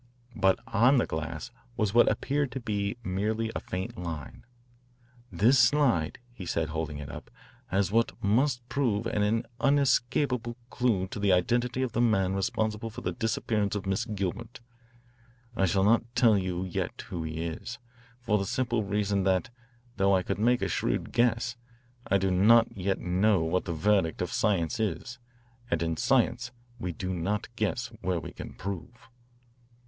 But on the glass was what appeared to be merely a faint line. "This slide," he said, holding it up, "has what must prove an unescapable clue to the identity of the man responsible for the disappearance of Miss Gilbert. I shall not tell you yet who he is, for the simple reason that, though I could make a shrewd guess, I do not yet know what the verdict of science is, and in science we do not guess where we can prove.